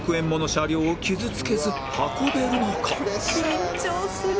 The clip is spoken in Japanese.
緊張する。